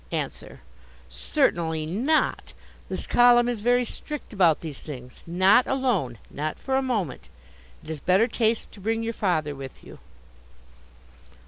Answer: Certainly not. This column is very strict about these things. Not alone. Not for a moment. It is better taste to bring your father with you.